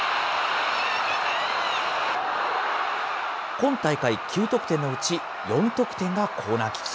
今大会、９得点のうち４得点がコーナーキック。